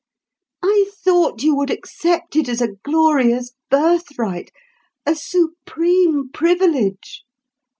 I thought you would accept it as a glorious birthright, a supreme privilege.